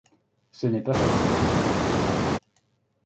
Ce n’est pas facile du tout.